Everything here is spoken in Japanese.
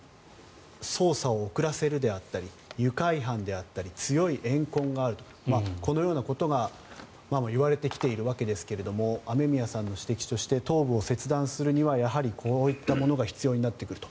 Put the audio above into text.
捜査を遅らせるであったり愉快犯、強いえん恨このようなことが言われてきているわけですが雨宮さんの指摘頭部を切断するためにはこういうものが必要になってくると。